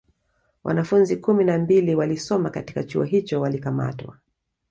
Wanafunzi kumi na mbili walisoma katika Chuo hicho walikamatwa